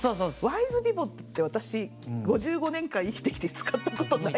ワイズピボットって私５５年間生きてきて使ったことないんですけど。